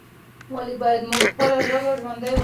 ولې باید موږ خپله ژبه ژوندۍ وساتو؟